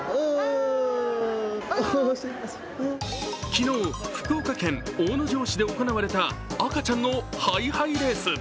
昨日、福岡県大野城市で行われた赤ちゃんのハイハイレース。